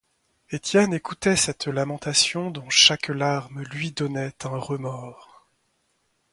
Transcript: Étienne écoutait cette lamentation dont chaque larme lui donnait un remords.